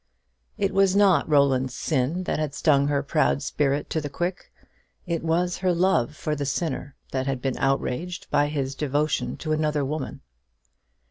It was not Roland's sin that had stung her proud spirit to the quick: it was her love for the sinner that had been outraged by his devotion to another woman.